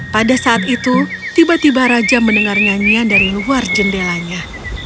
pada saat itu tiba tiba raja mendengar nyanyian dari luar jendelanya